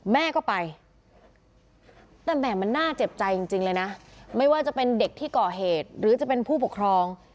แม่ก็ไปแต่แหม่มันน่าเจ็บใจจริงเลยนะไม่ว่าจะเป็นเด็กที่ก่อเหตุหรือจะเป็นผู้ปกครอง